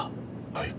はい。